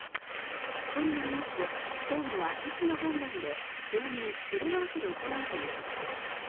都によりますと公務は医師の判断で当面テレワークで行うということです。